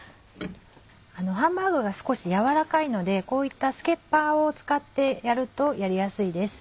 ハンバーグが少しやわらかいのでこういったスケッパーを使ってやるとやりやすいです。